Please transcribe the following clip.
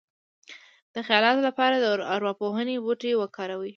د خیالاتو لپاره د ارواپوهنې بوټي وکاروئ